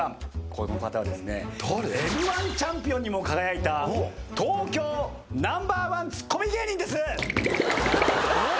この方ですねＭ−１チャンピオンにも輝いた東京ナンバーワンツッコミ芸人です。